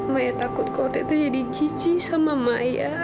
maya takut kalau tete jadi cici sama maya